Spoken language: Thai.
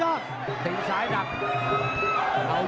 อย่าปิดขาดค่อนข้าง